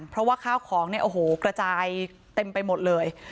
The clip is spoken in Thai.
เพราะว่าข้าวของเนี่ยโอ้โหกระจายเต็มไปหมดเลย